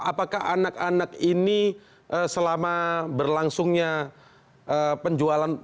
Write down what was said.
apakah anak anak ini selama berlangsungnya penjualan